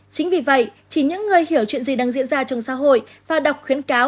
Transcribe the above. chính vì vậy chỉ những người hiểu chuyện gì đang diễn ra trong xã hội và đọc khuyến cáo